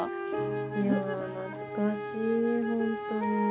いや、懐かしい、ホントに。